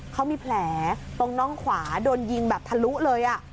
เขามีแผลตรงน่องขวาโดนยิงแบบทะลุเลย